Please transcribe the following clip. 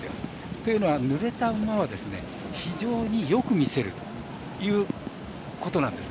というのは、ぬれた馬は非常によく見せるということなんです。